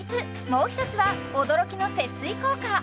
もう一つは驚きの節水効果